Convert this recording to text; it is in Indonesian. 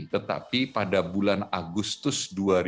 tetapi pada bulan agustus dua ribu dua puluh